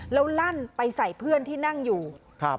แล้วลั่นไปใส่เพื่อนที่นั่งอยู่ครับ